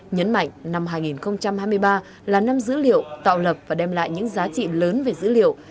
nhấn mạnh năm hai nghìn hai mươi ba là năm dữ liệu tạo lập và đem lại những giá trị lớn về dữ liệu